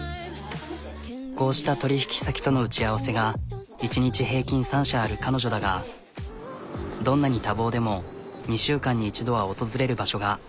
こうした取引先との打ち合わせが１日平均３社ある彼女だがどんなに多忙でも２週間に一度は訪れる場所が。